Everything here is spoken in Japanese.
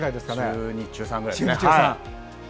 中２、中３ぐらいですかね。